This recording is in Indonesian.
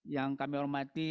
yang kami hormati